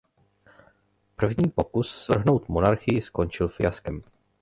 První pokus svrhnout monarchii skončil fiaskem.